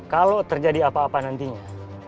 kalau terjadi apa apa nantinya